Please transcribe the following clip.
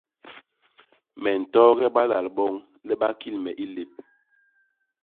Me ntooge balal boñ le ba kil me i lép.